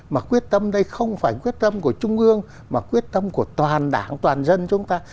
mà quyết tâm đây không phải quyết tâm của trung ương mà quyết tâm của toàn đảng toàn dân chúng ta